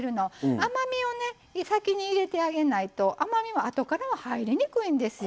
甘みを先に入れてあげないと甘みはあとからは入りにくいんですよ。